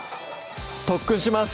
特訓します！